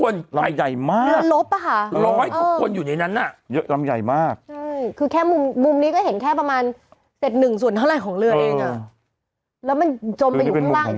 จมไปอยู่ข้างล่างตั้งแต่ครึ่งหนึ่ง